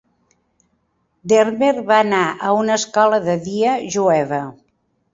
Dermer va anar a una escola de dia jueva.